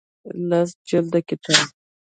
لس جلده کتاب